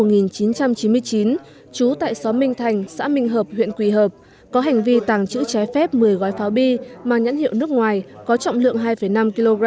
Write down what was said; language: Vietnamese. trú tại xóm minh thành xã minh hợp huyện quỳ hợp có hành vi tàng trữ trái phép một mươi gói pháo bi mang nhãn hiệu nước ngoài có trọng lượng hai năm kg